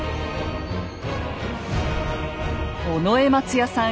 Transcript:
尾上松也さん